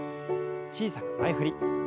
小さく前振り。